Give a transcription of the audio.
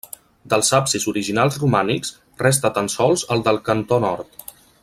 Dels absis originals romànics resta tan sols el del cantó nord.